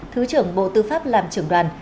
thứ trưởng bộ tư pháp làm trưởng đoàn